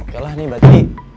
yalah nih batik